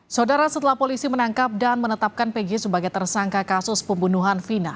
saudara setelah polisi menangkap dan menetapkan pg sebagai tersangka kasus pembunuhan vina